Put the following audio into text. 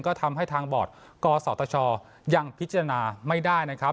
ก็ทำให้ทางบอร์ดกศตชยังพิจารณาไม่ได้นะครับ